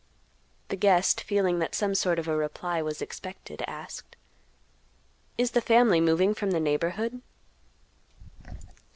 The guest, feeling that some sort of a reply was expected, asked, "Is the family moving from the neighborhood?"